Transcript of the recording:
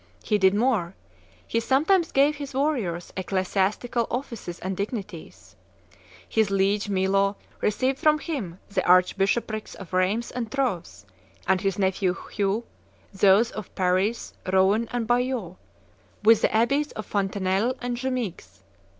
He did more: he sometimes gave his warriors ecclesiastical offices and dignities. His liege Milo received from him the archbishoprics of Rheims and Troves; and his nephew Hugh those of Paris, Rouen, and Bayeux, with the abbeys of Fontenelle and Jumieges.